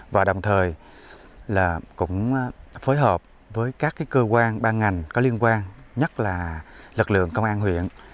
và đồng thời cũng phối hợp với các cơ quan ban ngành có liên quan nhất là lực lượng công an huyện